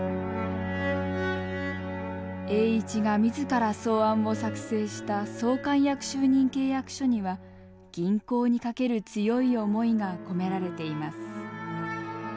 栄一が自ら草案を作成した総監役就任契約書には銀行にかける強い思いが込められています。